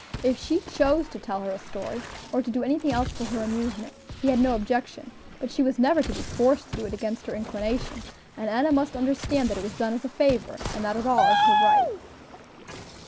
If she chose to tell her a story, or to do anything else for her amusement, he had no objection, but she was never to be forced to do it against her inclination, and Enna must understand that it was done as a favor, and not at all as her right.